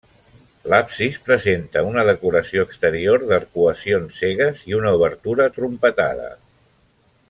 L'absis presenta una decoració exterior d'arcuacions cegues i una obertura atrompetada.